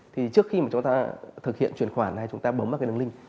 trước khi chúng ta thực hiện truyền khoản hay chúng ta bấm vào đường link